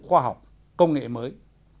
khoa học công nghệ mới